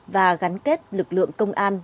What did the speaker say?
và gắn kết lực lượng công an